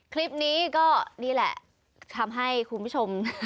คลิปนี้ก็นี่แหละทำให้คุณผู้ชม